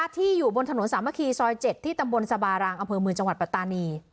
ที่อยู่บนถนนสามัคคีซอย๗ที่ตำบลสบารางอำเภอเมืองจังหวัดปัตตานี